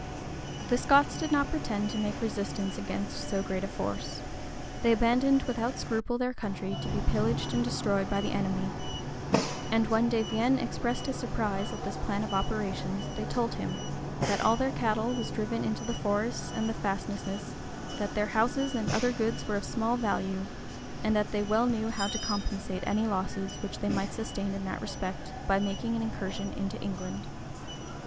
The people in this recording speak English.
The Scots did not pretend to make resistance against so great a force: they abandoned without scruple their country to be pillaged and destroyed by the enemy: and when De Vienne expressed his surprise at this plan of operations, they told him, that all their cattle was driven into the forests and fastnesses; that their houses and other goods were of small value; and that they well knew how to compensate any losses which they might sustain in that respect, by making an incursion into England.